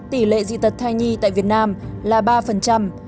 tỷ lệ dị tật thai nhi tại việt nam là ba